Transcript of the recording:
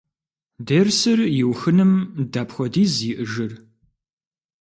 Дерсыр иухыным дапхуэдиз иӏэжыр?